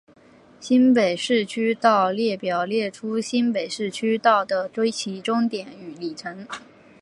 新北市区道列表列出新北市区道的起终点与里程。